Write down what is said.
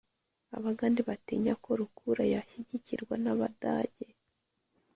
Abagande batinyaga ko Rukura yashyigikirwa n Abadage